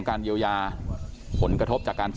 พี่สาวของเธอบอกว่ามันเกิดอะไรขึ้นกับพี่สาวของเธอ